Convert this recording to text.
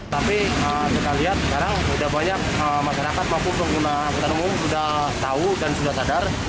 tapi kita lihat sekarang sudah banyak masyarakat maupun pengguna angkutan umum sudah tahu dan sudah sadar